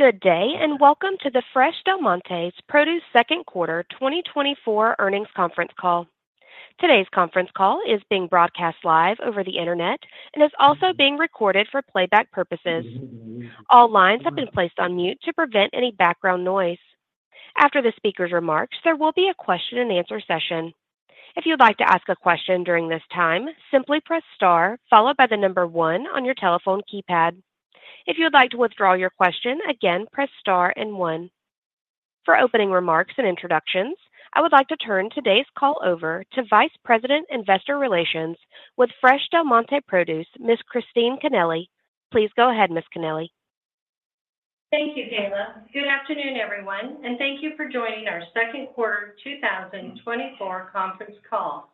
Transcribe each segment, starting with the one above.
Good day, and welcome to the Fresh Del Monte Produce second quarter 2024 earnings conference call. Today's conference call is being broadcast live over the internet and is also being recorded for playback purposes. All lines have been placed on mute to prevent any background noise. After the speaker's remarks, there will be a question and answer session. If you'd like to ask a question during this time, simply press star followed by the number 1 on your telephone keypad. If you would like to withdraw your question again, press star and 1. For opening remarks and introductions, I would like to turn today's call over to Vice President, Investor Relations with Fresh Del Monte Produce, Ms. Christine Cannella. Please go ahead, Ms. Cannella. Thank you, Kayla. Good afternoon, everyone, and thank you for joining our second quarter 2024 conference call.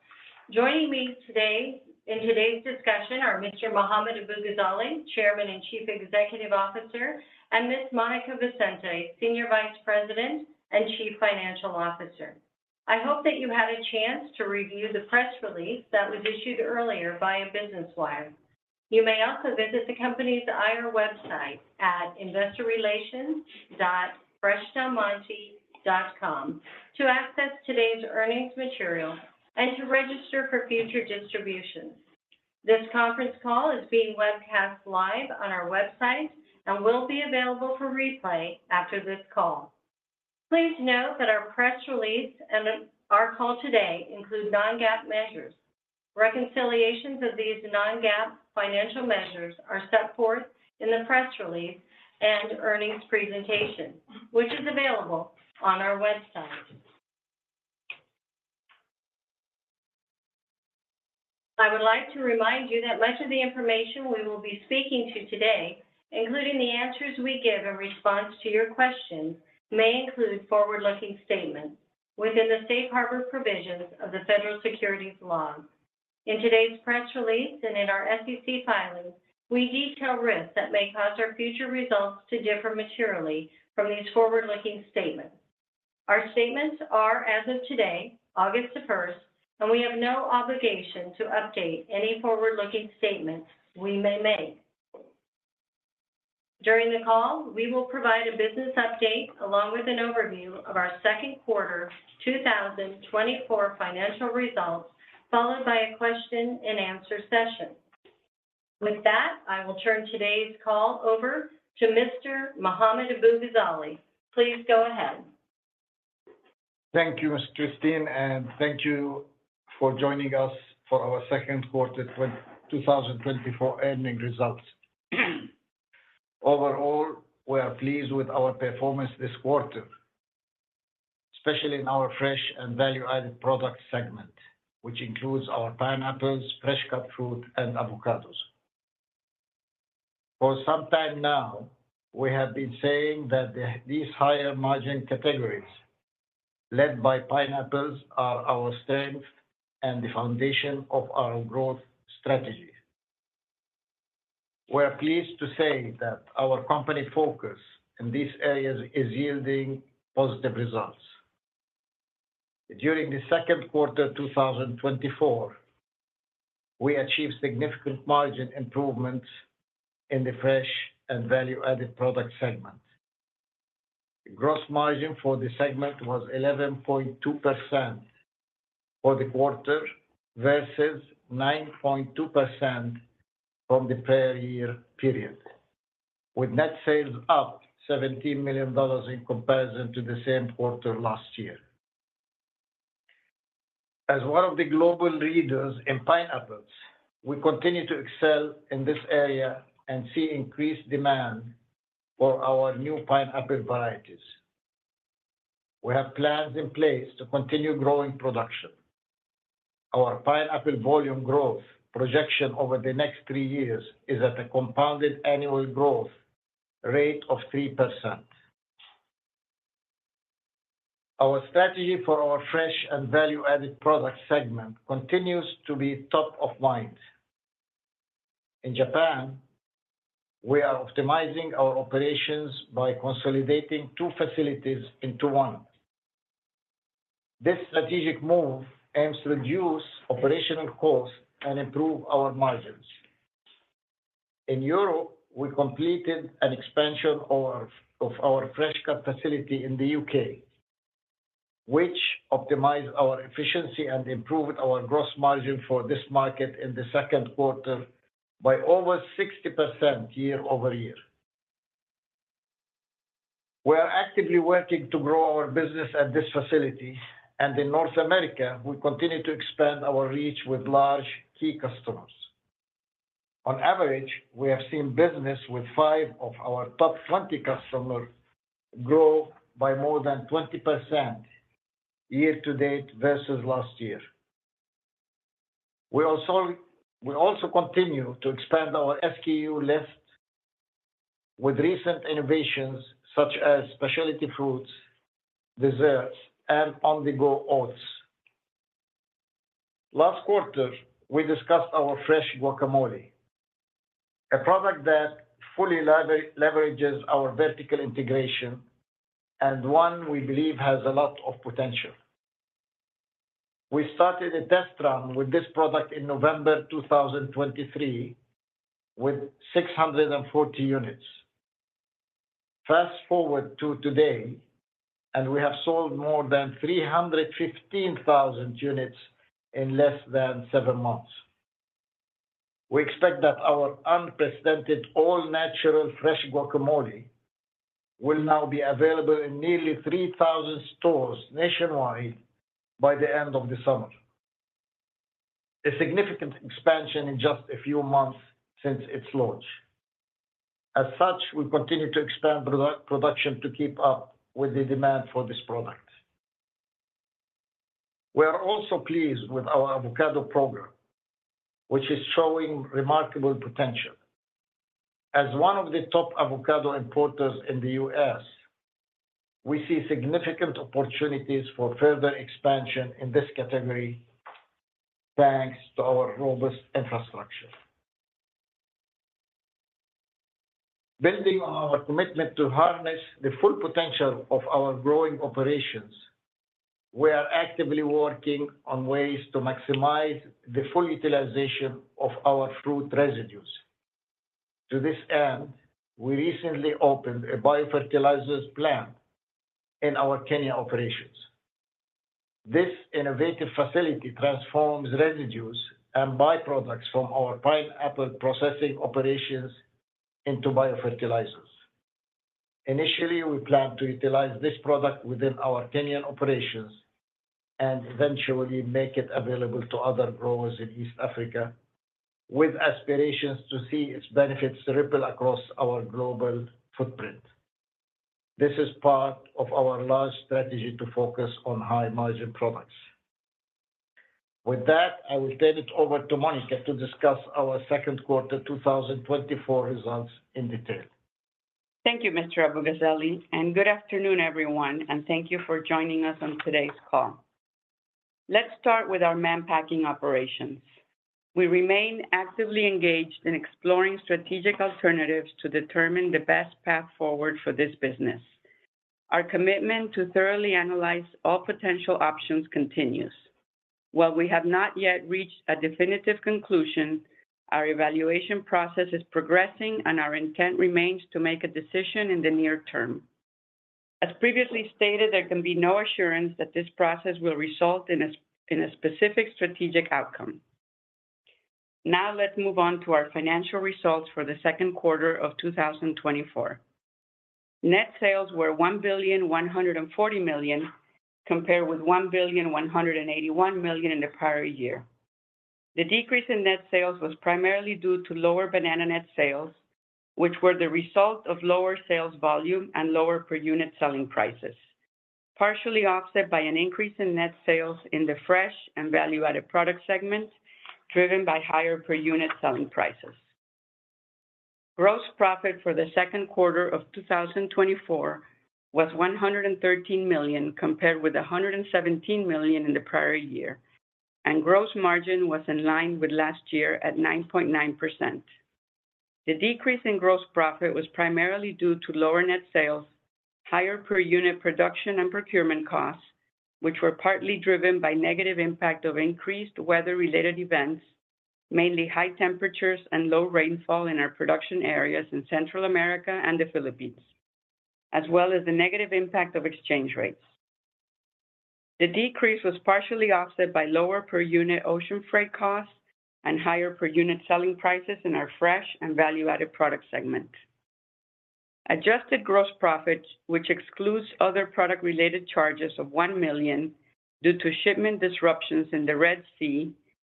Joining me today in today's discussion are Mr. Mohammad Abu-Ghazaleh, Chairman and Chief Executive Officer, and Ms. Monica Vicente, Senior Vice President and Chief Financial Officer. I hope that you had a chance to review the press release that was issued earlier via Business Wire. You may also visit the company's IR website at investorrelations.freshdelmonte.com to access today's earnings material and to register for future distributions. This conference call is being webcast live on our website and will be available for replay after this call. Please note that our press release and our call today include non-GAAP measures. Reconciliations of these non-GAAP financial measures are set forth in the press release and earnings presentation, which is available on our website. I would like to remind you that much of the information we will be speaking to today, including the answers we give in response to your questions, may include forward-looking statements within the safe harbor provisions of the federal securities laws. In today's press release and in our SEC filings, we detail risks that may cause our future results to differ materially from these forward-looking statements. Our statements are as of today, August 1, and we have no obligation to update any forward-looking statements we may make. During the call, we will provide a business update along with an overview of our second quarter 2024 financial results, followed by a question and answer session. With that, I will turn today's call over to Mr. Mohammad Abu-Ghazaleh. Please go ahead. Thank you, Ms. Christine, and thank you for joining us for our second quarter 2024 earnings results. Overall, we are pleased with our performance this quarter, especially in our fresh and value-added product segment, which includes our pineapples, fresh-cut fruit, and avocados. For some time now, we have been saying that the, these higher margin categories, led by pineapples, are our strength and the foundation of our growth strategy. We are pleased to say that our company focus in these areas is yielding positive results. During the second quarter 2024, we achieved significant margin improvements in the fresh and value-added product segment. Gross margin for the segment was 11.2% for the quarter versus 9.2% from the prior year period, with net sales up $17 million in comparison to the same quarter last year. As one of the global leaders in pineapples, we continue to excel in this area and see increased demand for our new pineapple varieties. We have plans in place to continue growing production. Our pineapple volume growth projection over the next three years is at a compounded annual growth rate of 3%. Our strategy for our fresh and value-added product segment continues to be top of mind. In Japan, we are optimizing our operations by consolidating two facilities into one. This strategic move aims to reduce operational costs and improve our margins. In Europe, we completed an expansion of our fresh-cut facility in the UK, which optimized our efficiency and improved our gross margin for this market in the second quarter by over 60% year-over-year. We are actively working to grow our business at this facility, and in North America, we continue to expand our reach with large key customers. On average, we have seen business with five of our top 20 customers grow by more than 20% year to date versus last year. We also, we also continue to expand our SKU list with recent innovations such as specialty foods, desserts, and on-the-go oats. Last quarter, we discussed our fresh guacamole, a product that fully leverages our vertical integration and one we believe has a lot of potential. We started a test run with this product in November 2023, with 640 units. Fast-forward to today, and we have sold more than 315,000 units in less than seven months. We expect that our unprecedented all-natural fresh guacamole will now be available in nearly 3,000 stores nationwide by the end of the summer, a significant expansion in just a few months since its launch. As such, we continue to expand production to keep up with the demand for this product. We are also pleased with our avocado program, which is showing remarkable potential. As one of the top avocado importers in the U.S., we see significant opportunities for further expansion in this category, thanks to our robust infrastructure. Building on our commitment to harness the full potential of our growing operations, we are actively working on ways to maximize the full utilization of our fruit residues. To this end, we recently opened a biofertilizer plant in our Kenya operations. This innovative facility transforms residues and byproducts from our pineapple processing operations into biofertilizers. Initially, we plan to utilize this product within our Kenyan operations and eventually make it available to other growers in East Africa, with aspirations to see its benefits ripple across our global footprint. This is part of our large strategy to focus on high-margin products. With that, I will turn it over to Monica to discuss our second quarter 2024 results in detail. Thank you, Mr. Abu-Ghazaleh, and good afternoon, everyone, and thank you for joining us on today's call. Let's start with our Mann Packing operations. We remain actively engaged in exploring strategic alternatives to determine the best path forward for this business. Our commitment to thoroughly analyze all potential options continues. While we have not yet reached a definitive conclusion, our evaluation process is progressing, and our intent remains to make a decision in the near term. As previously stated, there can be no assurance that this process will result in in a specific strategic outcome. Now, let's move on to our financial results for the second quarter of 2024. Net sales were $1.14 billion, compared with $1.181 billion in the prior year. The decrease in net sales was primarily due to lower banana net sales, which were the result of lower sales volume and lower per-unit selling prices, partially offset by an increase in net sales in the fresh and value-added product segments, driven by higher per-unit selling prices. Gross profit for the second quarter of 2024 was $113 million, compared with $117 million in the prior year, and gross margin was in line with last year at 9.9%. The decrease in gross profit was primarily due to lower net sales, higher per-unit production and procurement costs, which were partly driven by negative impact of increased weather-related events, mainly high temperatures and low rainfall in our production areas in Central America and the Philippines, as well as the negative impact of exchange rates. The decrease was partially offset by lower per-unit ocean freight costs and higher per-unit selling prices in our fresh and value-added product segment. Adjusted gross profits, which excludes other product-related charges of $1 million due to shipment disruptions in the Red Sea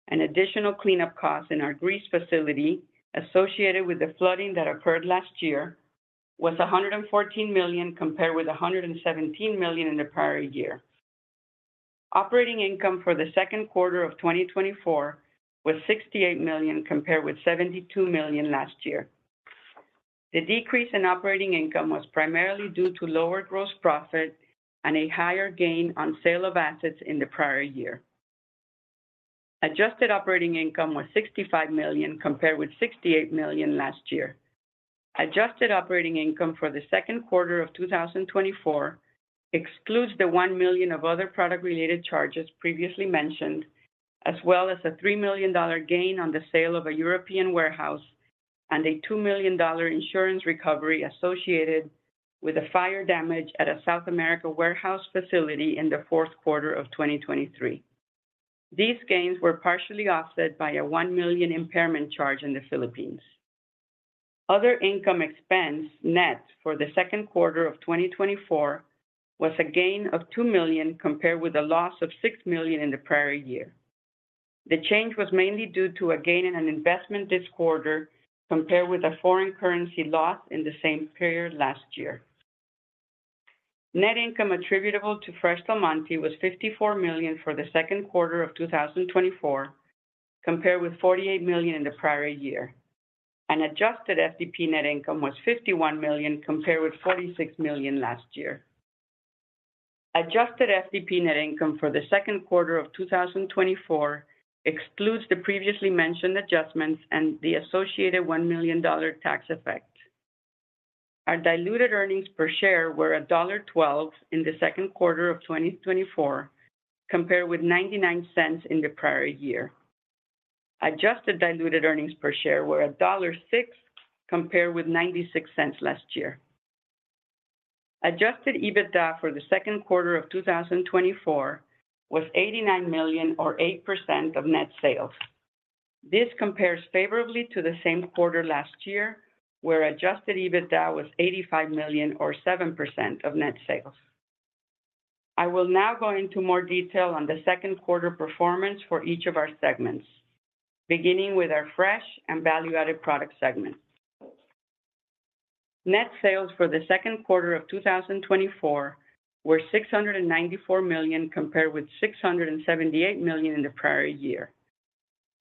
and additional cleanup costs in our Greece facility associated with the flooding that occurred last year, was $114 million, compared with $117 million in the prior year. Operating income for the second quarter of 2024 was $68 million, compared with $72 million last year. The decrease in operating income was primarily due to lower gross profit and a higher gain on sale of assets in the prior year. Adjusted operating income was $65 million, compared with $68 million last year. Adjusted operating income for the second quarter of 2024 excludes the $1 million of other product-related charges previously mentioned, as well as a $3 million gain on the sale of a European warehouse and a $2 million insurance recovery associated with the fire damage at a South America warehouse facility in the fourth quarter of 2023. These gains were partially offset by a $1 million impairment charge in the Philippines. Other income expense net for the second quarter of 2024 was a gain of $2 million, compared with a loss of $6 million in the prior year. The change was mainly due to a gain in an investment this quarter, compared with a foreign currency loss in the same period last year. Net income attributable to Fresh Del Monte was $54 million for the second quarter of 2024, compared with $48 million in the prior year. An adjusted FDP net income was $51 million, compared with $46 million last year. Adjusted FDP net income for the second quarter of 2024 excludes the previously mentioned adjustments and the associated $1 million tax effect.... Our diluted earnings per share were $1.12 in the second quarter of 2024, compared with $0.99 in the prior year. Adjusted diluted earnings per share were $1.06, compared with $0.96 last year. Adjusted EBITDA for the second quarter of 2024 was $89 million, or 8% of net sales. This compares favorably to the same quarter last year, where adjusted EBITDA was $85 million, or 7% of net sales. I will now go into more detail on the second quarter performance for each of our segments, beginning with our fresh and value-added product segment. Net sales for the second quarter of 2024 were $694 million, compared with $678 million in the prior year.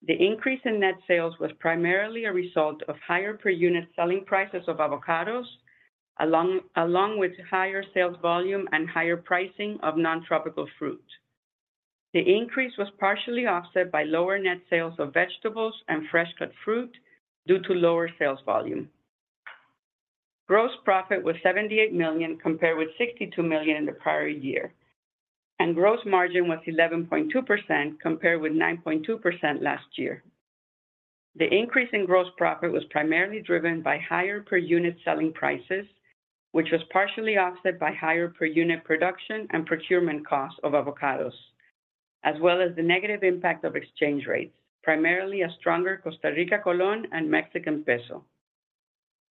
The increase in net sales was primarily a result of higher per unit selling prices of avocados, along with higher sales volume and higher pricing of non-tropical fruit. The increase was partially offset by lower net sales of vegetables and fresh-cut fruit due to lower sales volume. Gross profit was $78 million, compared with $62 million in the prior year, and gross margin was 11.2%, compared with 9.2% last year. The increase in gross profit was primarily driven by higher per unit selling prices, which was partially offset by higher per unit production and procurement costs of avocados, as well as the negative impact of exchange rates, primarily a stronger Costa Rican colón and Mexican peso.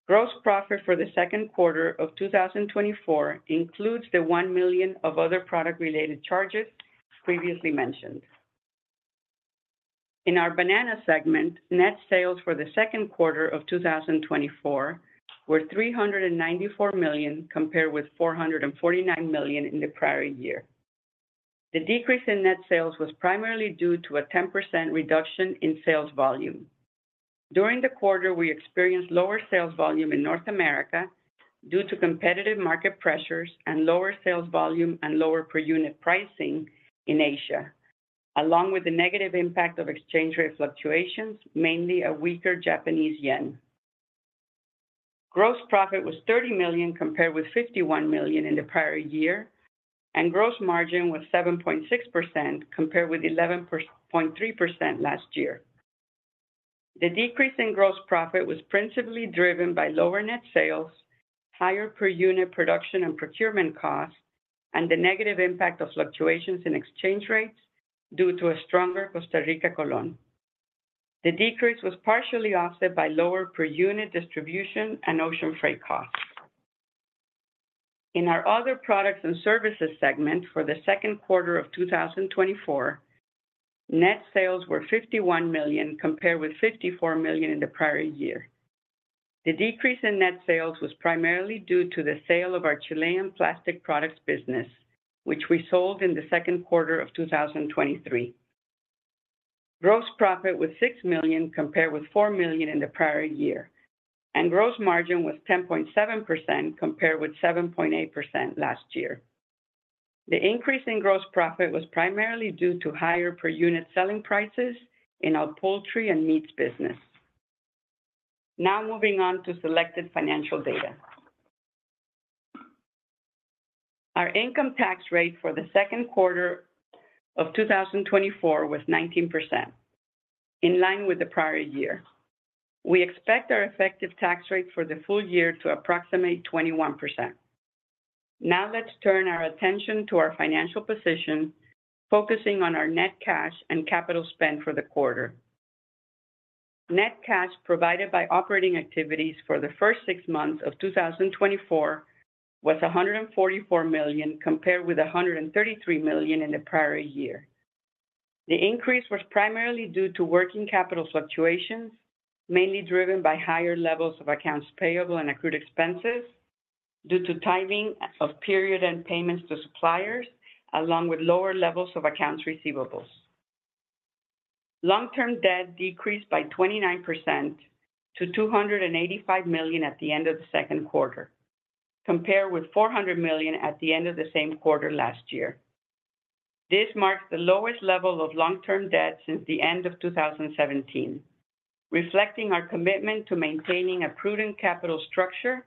Gross profit for the second quarter of 2024 includes the $1 million of other product-related charges previously mentioned. In our banana segment, net sales for the second quarter of 2024 were $394 million, compared with $449 million in the prior year. The decrease in net sales was primarily due to a 10% reduction in sales volume. During the quarter, we experienced lower sales volume in North America due to competitive market pressures and lower sales volume and lower per unit pricing in Asia, along with the negative impact of exchange rate fluctuations, mainly a weaker Japanese yen. Gross profit was $30 million, compared with $51 million in the prior year, and gross margin was 7.6%, compared with 11.3% last year. The decrease in gross profit was principally driven by lower net sales, higher per unit production and procurement costs, and the negative impact of fluctuations in exchange rates due to a stronger Costa Rican colón. The decrease was partially offset by lower per unit distribution and ocean freight costs. In our other products and services segment for the second quarter of 2024, net sales were $51 million, compared with $54 million in the prior year. The decrease in net sales was primarily due to the sale of our Chilean plastic products business, which we sold in the second quarter of 2023. Gross profit was $6 million, compared with $4 million in the prior year, and gross margin was 10.7%, compared with 7.8% last year. The increase in gross profit was primarily due to higher per unit selling prices in our poultry and meats business. Now moving on to selected financial data. Our income tax rate for the second quarter of 2024 was 19%, in line with the prior year. We expect our effective tax rate for the full year to approximate 21%. Now, let's turn our attention to our financial position, focusing on our net cash and capital spend for the quarter. Net cash provided by operating activities for the first six months of 2024 was $144 million, compared with $133 million in the prior year. The increase was primarily due to working capital fluctuations, mainly driven by higher levels of accounts payable and accrued expenses due to timing of period and payments to suppliers, along with lower levels of accounts receivables. Long-term debt decreased by 29% to $285 million at the end of the second quarter, compared with $400 million at the end of the same quarter last year. This marks the lowest level of long-term debt since the end of 2017, reflecting our commitment to maintaining a prudent capital structure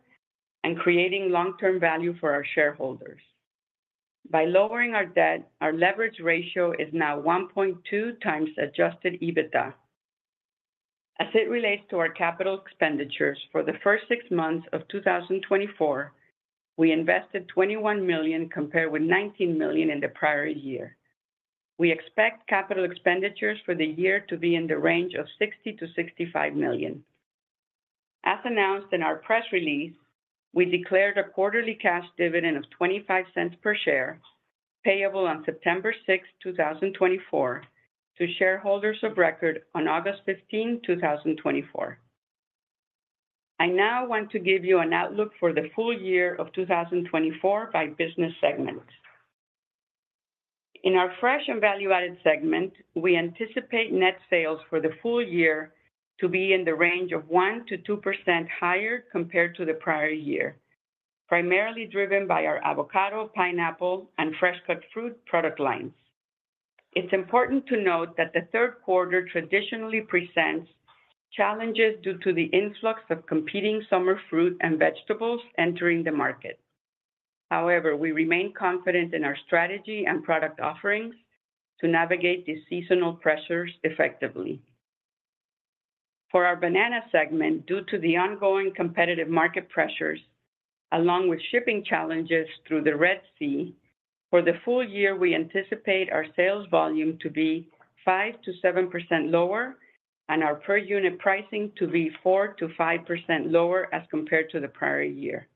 and creating long-term value for our shareholders. By lowering our debt, our leverage ratio is now 1.2 times Adjusted EBITDA. As it relates to our capital expenditures for the first six months of 2024, we invested $21 million, compared with $19 million in the prior year. We expect capital expenditures for the year to be in the range of $60 million-$65 million. As announced in our press release, we declared a quarterly cash dividend of $0.25 per share, payable on September 6, 2024, to shareholders of record on August 15, 2024. I now want to give you an outlook for the full year of 2024 by business segment. In our fresh and value-added segment, we anticipate net sales for the full year to be in the range of 1%-2% higher compared to the prior year, primarily driven by our avocado, pineapple, and fresh-cut fruit product lines.... It's important to note that the third quarter traditionally presents challenges due to the influx of competing summer fruit and vegetables entering the market. However, we remain confident in our strategy and product offerings to navigate these seasonal pressures effectively. For our banana segment, due to the ongoing competitive market pressures, along with shipping challenges through the Red Sea, for the full year, we anticipate our sales volume to be 5%-7% lower, and our per unit pricing to be 4%-5% lower as compared to the prior year.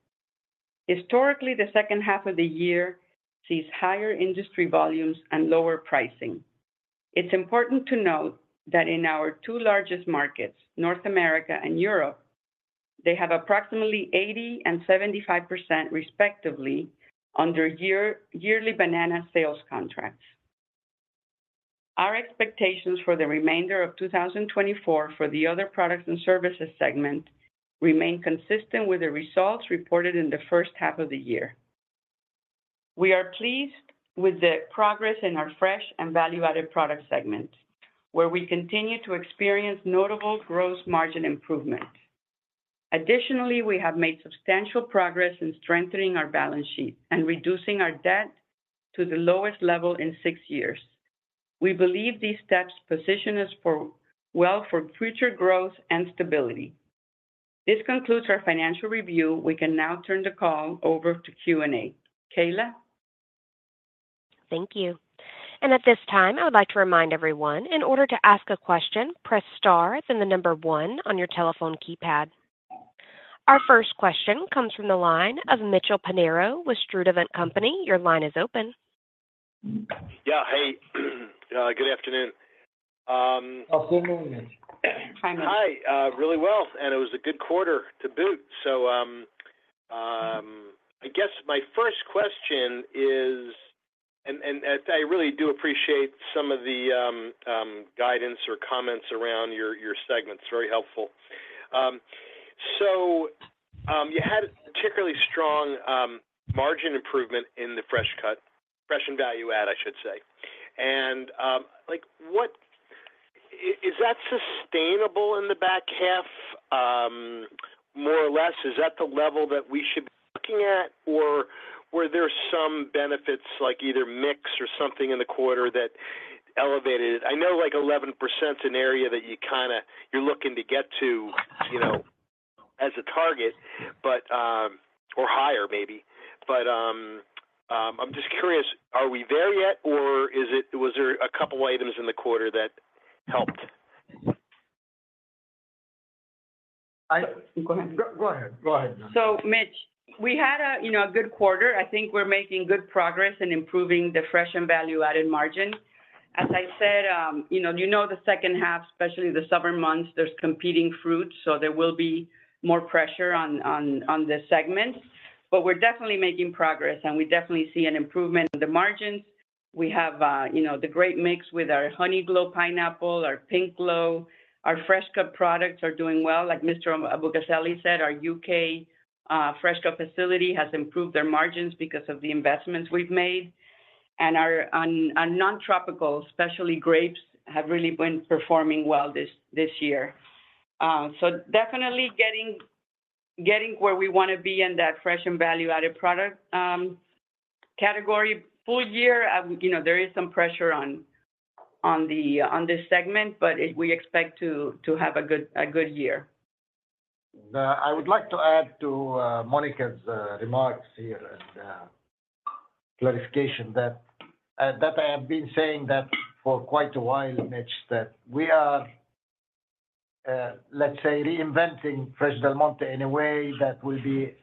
Historically, the second half of the year sees higher industry volumes and lower pricing. It's important to note that in our two largest markets, North America and Europe, they have approximately 80% and 75%, respectively, under yearly banana sales contracts. Our expectations for the remainder of 2024 for the other products and services segment remain consistent with the results reported in the first half of the year. We are pleased with the progress in our fresh and value-added product segment, where we continue to experience notable gross margin improvement. Additionally, we have made substantial progress in strengthening our balance sheet and reducing our debt to the lowest level in 6 years. We believe these steps position us for, well, for future growth and stability. This concludes our financial review. We can now turn the call over to Q&A. Kayla? Thank you. At this time, I would like to remind everyone, in order to ask a question, press star, then the number one on your telephone keypad. Our first question comes from the line of Mitch Pinheiro with Sturdivant & Company Your line is open. Yeah, hey, good afternoon. Good morning. Hi, Mitch. Hi. Really well, and it was a good quarter to boot. So, I guess my first question is, and I really do appreciate some of the guidance or comments around your segments. Very helpful. So, you had a particularly strong margin improvement in the fresh-cut. Fresh and value add, I should say. And, like, what... is that sustainable in the back half, more or less? Is that the level that we should be looking at? Or were there some benefits, like either mix or something in the quarter that elevated it? I know, like, 11% is an area that you kinda, you're looking to get to, you know, as a target, but, or higher maybe. But, I'm just curious, are we there yet, or was there a couple of items in the quarter that helped? Go, go ahead. Go ahead. So, Mitch, we had, you know, a good quarter. I think we're making good progress in improving the fresh and value-added margin. As I said, you know, you know the second half, especially the summer months, there's competing fruits, so there will be more pressure on this segment. But we're definitely making progress, and we definitely see an improvement in the margins. We have, you know, the great mix with our Honeyglow pineapple, our Pinkglow. Our fresh-cut products are doing well. Like Mr. Abu-Ghazaleh said, our UK fresh-cut facility has improved their margins because of the investments we've made, and our non-tropical, especially grapes, have really been performing well this year. So definitely getting where we want to be in that fresh and value-added product category. Full year, you know, there is some pressure on this segment, but we expect to have a good year. I would like to add to, Monica's, remarks here and, clarification that, that I have been saying that for quite a while, Mitch, that we are, let's say, reinventing Fresh Del Monte in a way that will be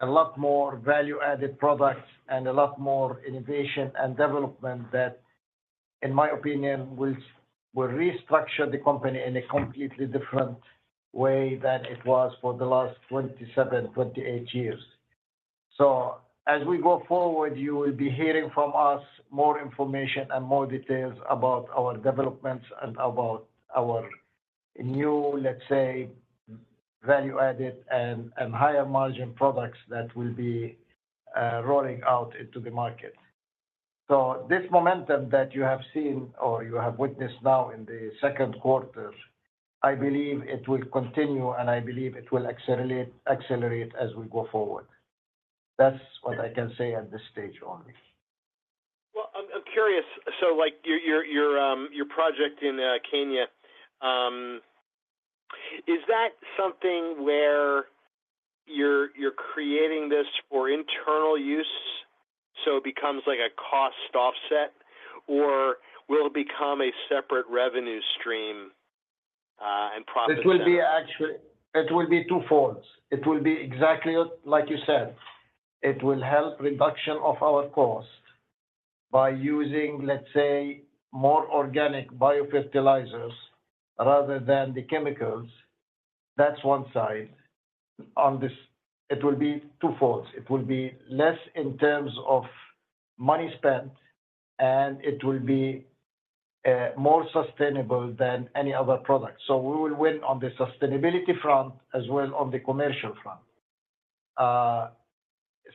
a lot more value-added products and a lot more innovation and development that, in my opinion, will, will restructure the company in a completely different way than it was for the last 27, 28 years. So as we go forward, you will be hearing from us more information and more details about our developments and about our new, let's say, value-added and, and higher-margin products that will be, rolling out into the market. So this momentum that you have seen or you have witnessed now in the second quarter, I believe it will continue, and I believe it will accelerate, accelerate as we go forward. That's what I can say at this stage only. Well, I'm curious, so, like, your project in Kenya, is that something where you're creating this for internal use, so it becomes like a cost offset, or will it become a separate revenue stream, and profit? It will be actually. It will be twofolds. It will be exactly like you said. It will help reduction of our cost by using, let's say, more organic biofertilizers rather than the chemicals. That's one side. On this, it will be twofolds. It will be less in terms of money spent, and it will be more sustainable than any other product. So we will win on the sustainability front as well on the commercial front.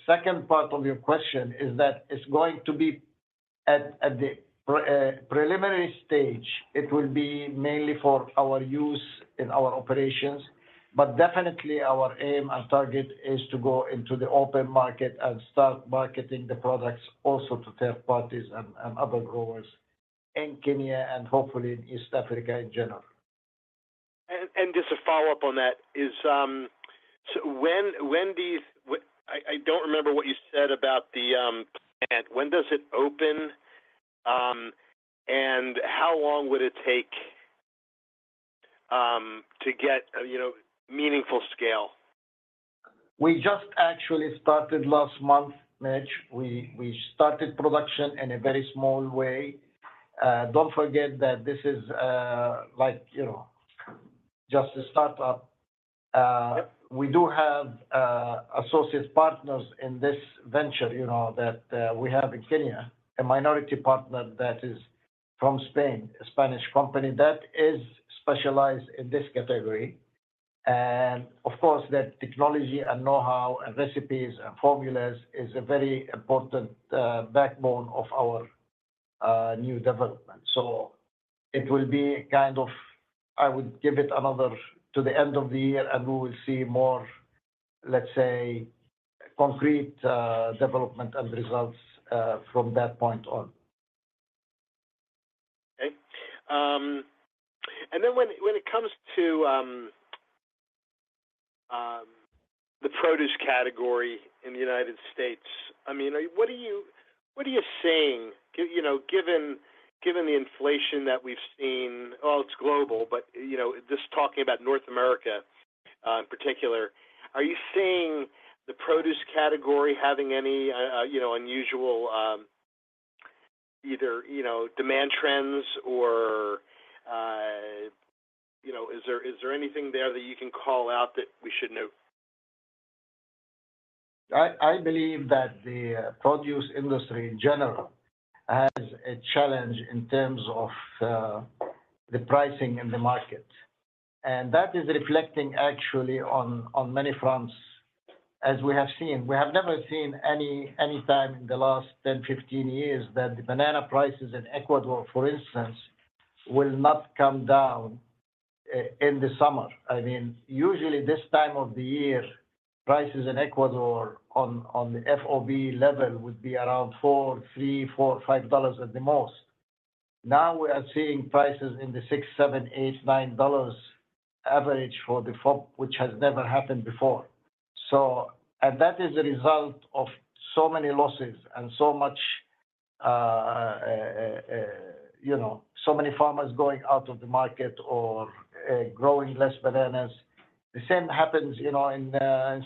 Second part of your question is that it's going to be at the preliminary stage. It will be mainly for our use in our operations, but definitely our aim and target is to go into the open market and start marketing the products also to third parties and other growers in Kenya and hopefully in East Africa in general. Just a follow-up on that is, so I don't remember what you said about the plant. When does it open, and how long would it take to get a, you know, meaningful scale? We just actually started last month, Mitch. We started production in a very small way. Don't forget that this is, like, you know, just a start-up. Yep. We do have associate partners in this venture, you know, that we have in Kenya, a minority partner that is from Spain, a Spanish company that is specialized in this category. And of course, that technology and know-how, and recipes, and formulas is a very important backbone of our new development. So it will be kind of... I would give it another to the end of the year, and we will see more, let's say, concrete development and results from that point on. Okay. And then when it comes to the produce category in the United States, I mean, are you—what are you seeing? You know, given the inflation that we've seen, well, it's global, but, you know, just talking about North America, in particular, are you seeing the produce category having any, you know, unusual, either, you know, demand trends or, you know, is there, is there anything there that you can call out that we should know? I believe that the produce industry in general has a challenge in terms of the pricing in the market, and that is reflecting actually on many fronts, as we have seen. We have never seen any time in the last 10, 15 years, that the banana prices in Ecuador, for instance, will not come down in the summer. I mean, usually this time of the year, prices in Ecuador on the FOB level would be around $3-$5 at the most. Now, we are seeing prices in the $6-$9 average for the FOB, which has never happened before. So and that is a result of so many losses and so much you know, so many farmers going out of the market or growing less bananas. The same happens, you know, in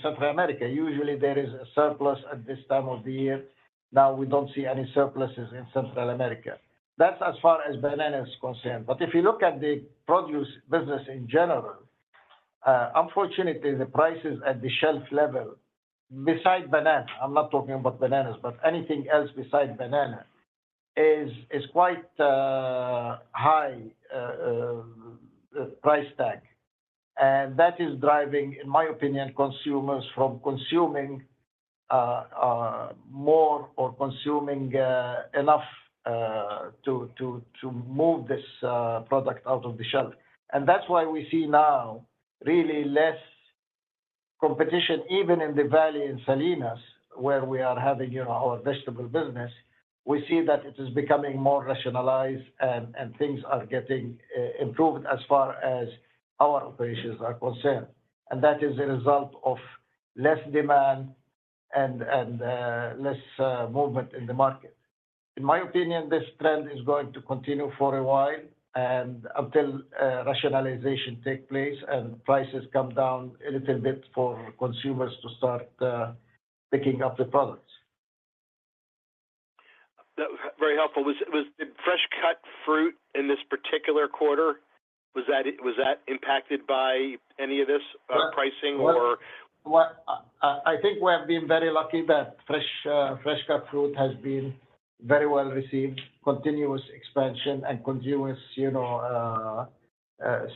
Central America. Usually, there is a surplus at this time of the year. Now, we don't see any surpluses in Central America. That's as far as banana is concerned. But if you look at the produce business in general, unfortunately, the prices at the shelf level, besides bananas, I'm not talking about bananas, but anything else besides banana is quite high price tag. And that is driving, in my opinion, consumers from consuming more or consuming enough to move this product out of the shelf. And that's why we see now really less competition, even in the valley in Salinas, where we are having, you know, our vegetable business. We see that it is becoming more rationalized and things are getting improved as far as our operations are concerned. That is a result of less demand and less movement in the market. In my opinion, this trend is going to continue for a while, and until rationalization take place and prices come down a little bit for consumers to start picking up the products. That was very helpful. Was the fresh-cut fruit in this particular quarter, was that impacted by any of this, pricing or? Well, I think we have been very lucky that fresh, fresh-cut fruit has been very well received, continuous expansion and continuous, you know,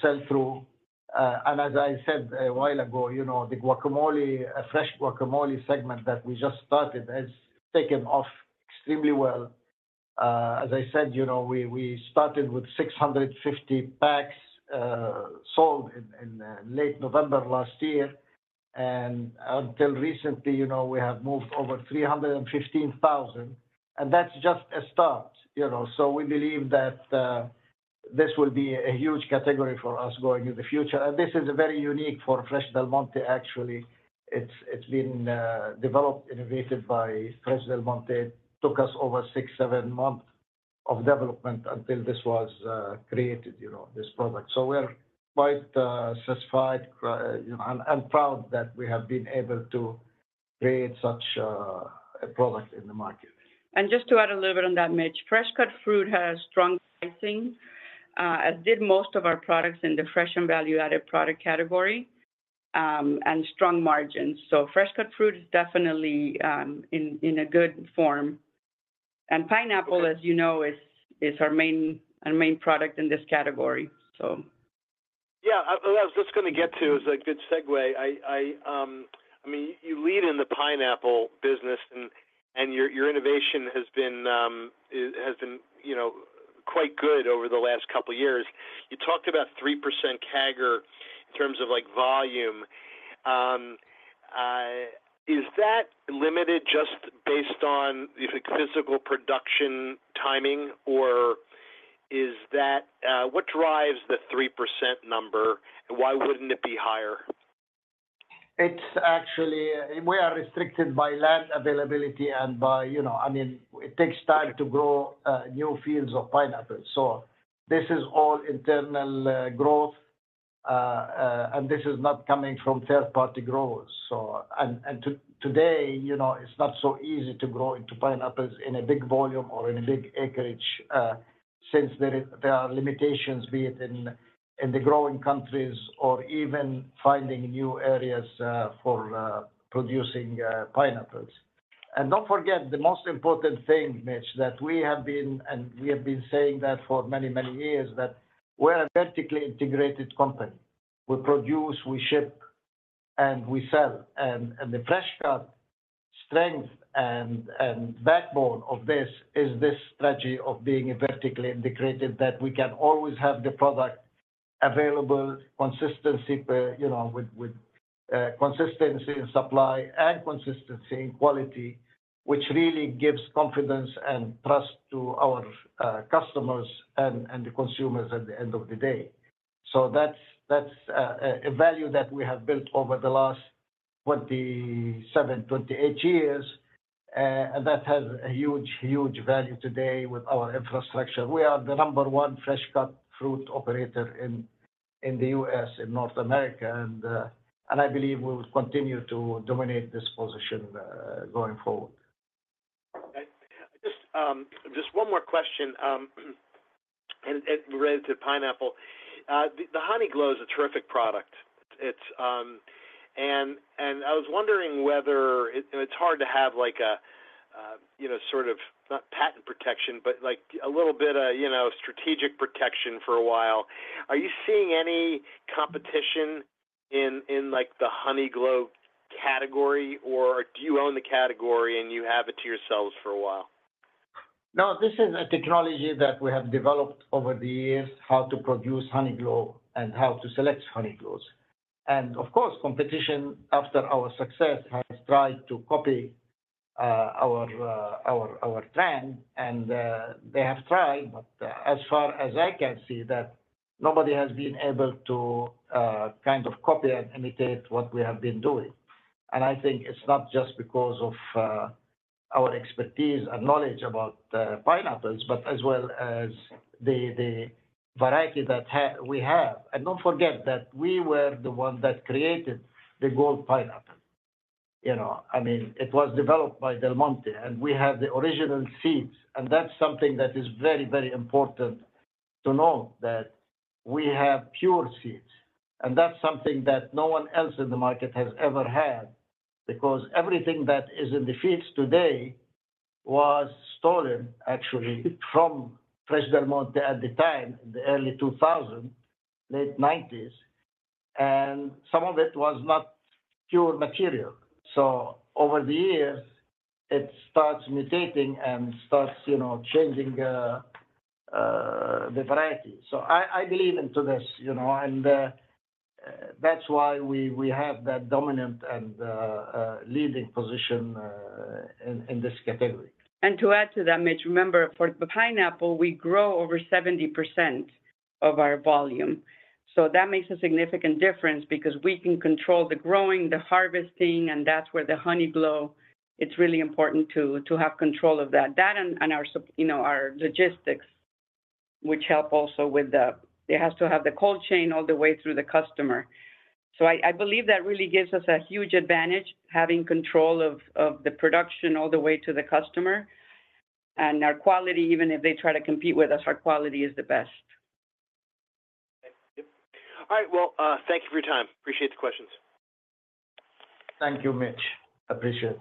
sell-through. And as I said a while ago, you know, the guacamole, a fresh guacamole segment that we just started has taken off extremely well. As I said, you know, we started with 650 packs, sold in late November last year, and until recently, you know, we have moved over 315,000, and that's just a start, you know. So we believe that, this will be a huge category for us going in the future. And this is very unique for Fresh Del Monte actually. It's been developed, innovated by Fresh Del Monte. It took us over 6, 7 months of development until this was created, you know, this product. So we're quite satisfied, and proud that we have been able to create such a product in the market. And just to add a little bit on that, Mitch, fresh-cut fruit has strong pricing, as did most of our products in the fresh and value-added product category, and strong margins. So fresh-cut fruit is definitely in a good form. And pineapple, as you know, is our main product in this category, so. Yeah, I, well, I was just gonna get to, it's a good segue. I mean, you lead in the pineapple business, and your innovation has been, is, has been, you know, quite good over the last couple of years. You talked about 3% CAGR in terms of, like, volume. Is that limited just based on the physical production timing, or is that what drives the 3% number, and why wouldn't it be higher? It's actually, we are restricted by land availability and by, you know, I mean, it takes time to grow new fields of pineapples. So this is all internal growth, and this is not coming from third-party growers. So and today, you know, it's not so easy to grow pineapples in a big volume or in a big acreage, since there are limitations, be it in the growing countries or even finding new areas for producing pineapples. And don't forget, the most important thing, Mitch, that we have been, and we have been saying that for many, many years, that we're a vertically integrated company. We produce, we ship, and we sell. The fresh-cut strength and backbone of this is this strategy of being vertically integrated, that we can always have the product available, consistency, you know, with consistency in supply and consistency in quality, which really gives confidence and trust to our customers and the consumers at the end of the day. So that's a value that we have built over the last 27, 28 years, and that has a huge, huge value today with our infrastructure. We are the number one fresh-cut fruit operator in the U.S., in North America, and I believe we will continue to dominate this position, going forward. Just one more question, and it relates to pineapple. The Honeyglow is a terrific product. It's... And I was wondering whether, and it's hard to have, like a, you know, sort of not patent protection, but like, a little bit of, you know, strategic protection for a while. Are you seeing any competition in the Honeyglow category, or do you own the category, and you have it to yourselves for a while? No, this is a technology that we have developed over the years, how to produce Honeyglow and how to select Honeyglows. And of course, competition, after our success, has tried to copy our plan, and they have tried, but as far as I can see, nobody has been able to kind of copy and imitate what we have been doing. And I think it's not just because of our expertise and knowledge about pineapples, but as well as the variety that we have. And don't forget that we were the ones that created the Gold pineapple. You know, I mean, it was developed by Del Monte, and we have the original seeds, and that's something that is very, very important to know, that we have pure seeds. And that's something that no one else in the market has ever had, because everything that is in the fields today was stolen actually from Fresh Del Monte at the time, in the early 2000, late 1990s, and some of it was not pure material. So over the years, it starts mutating and starts, you know, changing the variety. So I, I believe into this, you know, and, that's why we, we have that dominant and, leading position, in, in this category. And to add to that, Mitch, remember, for the pineapple, we grow over 70% of our volume. So that makes a significant difference because we can control the growing, the harvesting, and that's where the Honeyglow, it's really important to have control of that. That and our, you know, our logistics, which help also with the cold chain all the way through the customer. So I believe that really gives us a huge advantage, having control of the production all the way to the customer. And our quality, even if they try to compete with us, our quality is the best. All right, well, thank you for your time. Appreciate the questions. Thank you, Mitch. Appreciate it.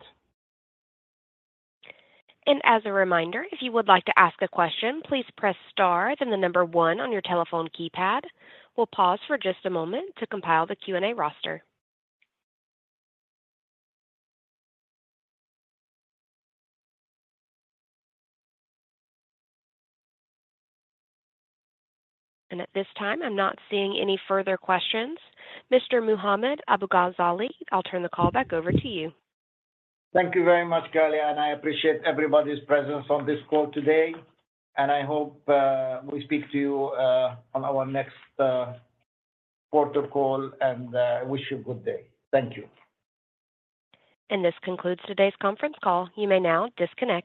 And as a reminder, if you would like to ask a question, please press star, then the number one on your telephone keypad. We'll pause for just a moment to compile the Q&A roster. And at this time, I'm not seeing any further questions. Mr. Mohammad Abu-Ghazaleh, I'll turn the call back over to you. Thank you very much, Carly, and I appreciate everybody's presence on this call today, and I hope we speak to you on our next quarter call, and I wish you a good day. Thank you. This concludes today's conference call. You may now disconnect.